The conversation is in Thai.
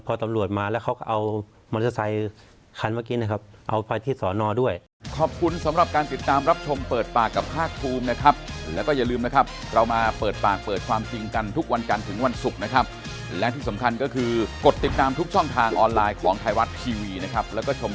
พอตำรวจมาแล้วเขาก็เอามอเตอร์ไซคันเมื่อกี้นะครับเอาไปที่สอนอด้วย